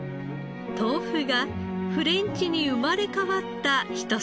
豆腐がフレンチに生まれ変わった一皿です。